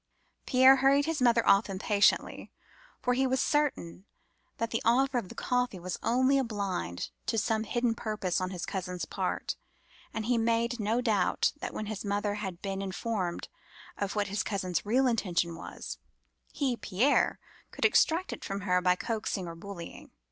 "Pierre hurried his mother off impatiently, for he was certain that the offer of the coffee was only a blind to some hidden purpose on his cousin's part; and he made no doubt that when his mother had been informed of what his cousin's real intention was, he, Pierre, could extract it from her by coaxing or bullying.